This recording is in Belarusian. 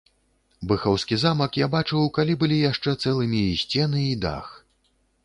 Быхаўскі замак я бачыў, калі былі яшчэ цэлымі і сцены, і дах.